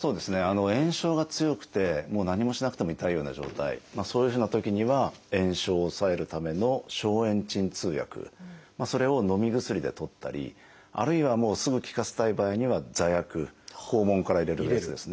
炎症が強くてもう何もしなくても痛いような状態そういうふうなときには炎症を抑えるための消炎鎮痛薬それをのみ薬でとったりあるいはもうすぐ効かせたい場合には座薬肛門から入れるやつですね。